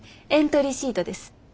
エントリーシートです。